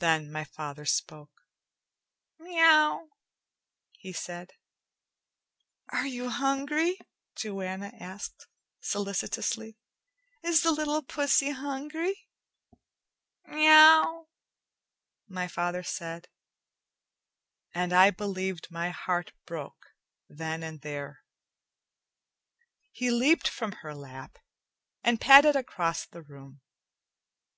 Then my father spoke. "Meow," he said. "Are you hungry?" Joanna asked solicitously. "Is the little pussy hungry?" "Meow," my father said, and I believed my heart broke then and there. He leaped from her lap and padded across the room.